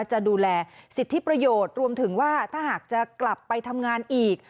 จะดูแลสิทธิประโยชน์รวมถึงว่าถ้าหากจะกลับไปทำงานอีก